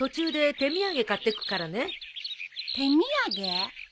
手土産？